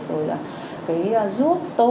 rồi là cái rút tô